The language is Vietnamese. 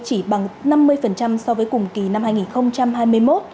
chỉ bằng năm mươi so với cùng kỳ năm hai nghìn hai mươi một